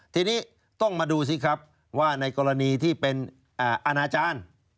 ทีนี้ต้องมาดูสิครับว่าในกรณีที่เป็นอาณาจารย์